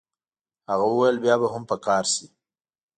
هغه وویل بیا به هم په کار شي.